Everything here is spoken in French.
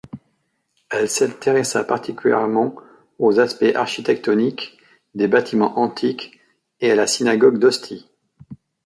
Elle s’intéressa particulièrement aux aspects architectoniques des bâtiments antiques et à la Synagogue d'Ostie.